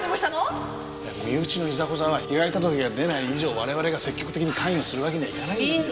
いや身内のいざこざは被害届が出ない以上我々が積極的に関与するわけにはいかないんですよ。